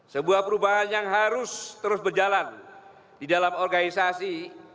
sebuah perubahan yang harus terus berjalan di dalam organisasi